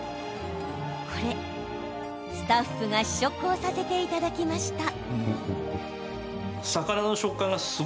スタッフが試食をさせていただきました。